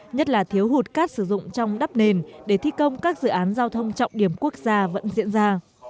nhất là thiếu hụt cát sử dụng trong đắp nền để thi công các dự án giao thông trọng điểm quốc gia vẫn diễn ra